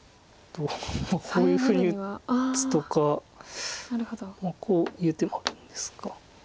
こういうふうに打つとかこういう手もあるんですが。